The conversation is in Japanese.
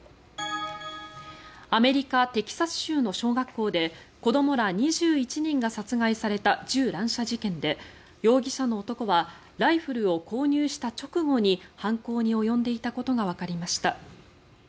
アメリカ・テキサス州の小学校で子どもら２１人が殺害された銃乱射事件で容疑者の男はライフルを購入した直後に犯行に及んでいたことがわかりました。